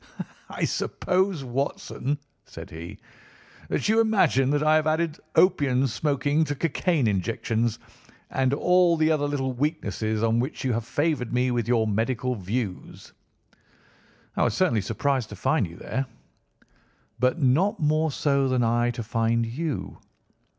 "I suppose, Watson," said he, "that you imagine that I have added opium smoking to cocaine injections, and all the other little weaknesses on which you have favoured me with your medical views." "I was certainly surprised to find you there." "But not more so than I to find you."